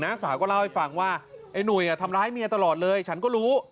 สาวก็เล่าให้ฟังว่าไอ้หนุ่ยทำร้ายเมียตลอดเลยฉันก็รู้